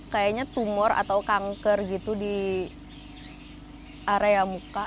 kayaknya tumor atau kanker gitu di area muka